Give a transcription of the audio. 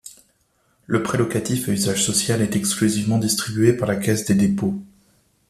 Le prêt locatif à usage social est exclusivement distribué par la Caisse des Dépôts.